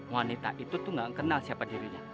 wanita itu tuh gak kenal siapa dirinya